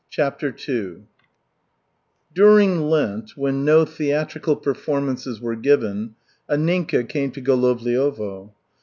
CHAPTER II During Lent, when no theatrical performances were given, Anninka came to Golovliovo.